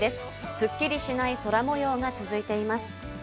すっきりしない空模様が続いています。